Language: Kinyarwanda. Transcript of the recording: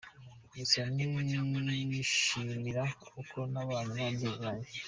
Gusa nishimira uko nabanye n’ababyeyi banjye.